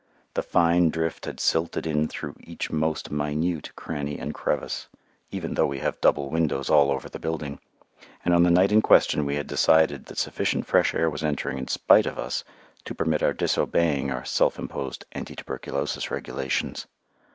The fine drift had silted in through each most minute cranny and crevice even though we have double windows all over the building; and on the night in question we had decided that sufficient fresh air was entering in spite of us to permit our disobeying our self imposed anti tuberculosis regulations.